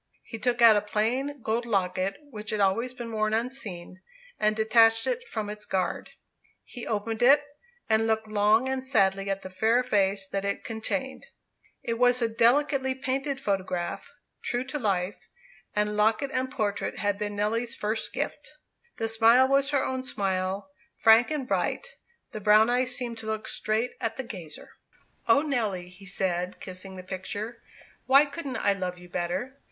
He took out a plain gold locket, which had always been worn unseen, and detached it from its guard. He opened it, and looked long and sadly at the fair face that it contained. It was a delicately painted photograph, true to life; and locket and portrait had been Nelly's first gift. The smile was her own smile, frank and bright; the brown eyes seemed to look straight at the gazer. "O Nelly," he said, kissing the picture, "why couldn't I love you better?